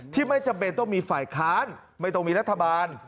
ไม่จำเป็นต้องมีฝ่ายค้านไม่ต้องมีรัฐบาล